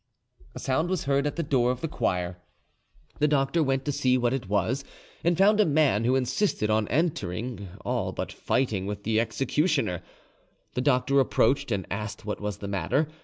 A sound was heard at the door of the choir. The doctor went to see what it was, and found a man who insisted on entering, all but fighting with the executioner. The doctor approached and asked what was the matter.